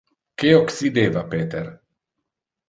Que occideva Peter?